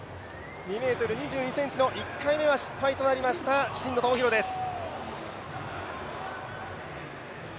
２ｍ２２ｃｍの１回目は失敗となりました真野友博です。